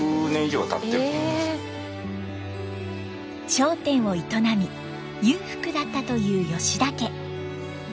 商店を営み裕福だったという田家。